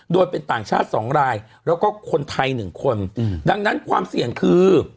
โดยเป็นต่างชาติ๒รายแล้วก็คนไทยหนึ่งคนดังนั้นความเสี่ยงคือ